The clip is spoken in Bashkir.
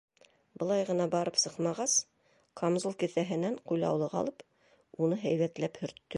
Былай ғына барып сыҡмағас, камзул кеҫәһенән ҡулъяулыҡ алып, уны һәйбәтләп һөрттө.